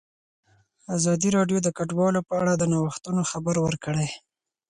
ازادي راډیو د کډوال په اړه د نوښتونو خبر ورکړی.